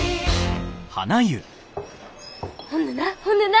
ほんでなほんでな。